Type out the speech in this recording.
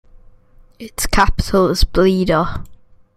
Its capital is Blida.